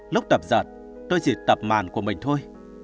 lúc tập giật tôi chỉ tập màn của mình thôi